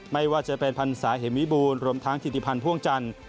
ไม่ว่าจะเป็นพันศาเหมิบูรณ์รวมทั้งถิติพันธ์พ่วงจันทร์